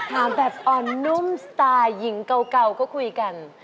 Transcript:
ถามแบบอ่อนนุ่มสไตล์หญิงเก่าก็คุยกัน